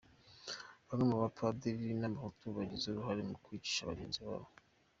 Bamwe mu Bapadiri b’Abahutu bagize uruhare mu kwicisha bagenzi babo.